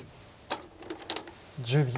１０秒。